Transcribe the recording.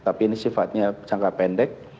tapi ini sifatnya jangka pendek